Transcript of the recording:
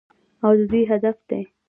او د دوی هدف دی.